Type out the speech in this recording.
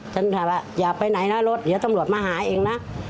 ฉันถามว่าอย่าไปไหนนะรถเดี๋ยวตำรวจมาหาเองนะ